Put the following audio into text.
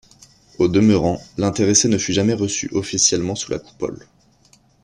Au demeurant, l'intéressé ne fut jamais reçu officiellement sous la Coupole.